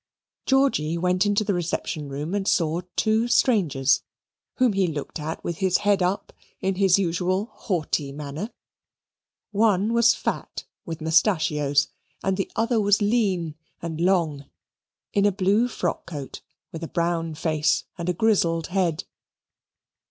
Georgy went into the reception room and saw two strangers, whom he looked at with his head up, in his usual haughty manner. One was fat, with mustachios, and the other was lean and long, in a blue frock coat, with a brown face and a grizzled head.